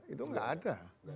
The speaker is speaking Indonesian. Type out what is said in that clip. itu enggak ada